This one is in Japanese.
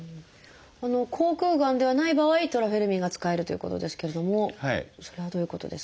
口腔がんではない場合トラフェルミンが使えるということですけれどもそれはどういうことですか？